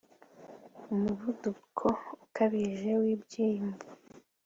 Umuvuduko ukabije wibyiyumvo